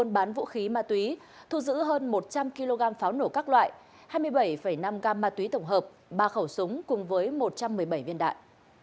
bán vũ khí ma túy thu giữ hơn một trăm linh kg pháo nổ các loại hai mươi bảy năm gam ma túy tổng hợp ba khẩu súng cùng với một trăm một mươi bảy viên đạn